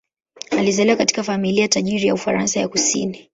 Alizaliwa katika familia tajiri ya Ufaransa ya kusini.